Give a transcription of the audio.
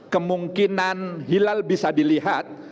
kemungkinan hilal bisa dilihat